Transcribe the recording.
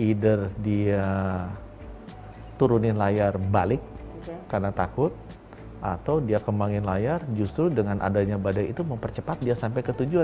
either dia turunin layar balik karena takut atau dia kembangin layar justru dengan adanya badai itu mempercepat dia sampai ke tujuan